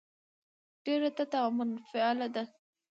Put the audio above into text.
ډېره تته او منفعله ده.